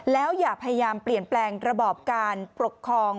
แล้วอย่าพยายามเปลี่ยนแปลงระบอบการปกครอง